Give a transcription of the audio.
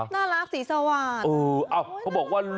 น่ารักสีสวาดเอออะเพราะบอกว่า